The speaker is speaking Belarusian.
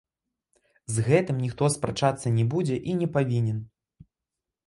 З гэтым ніхто спрачацца не будзе і не павінен.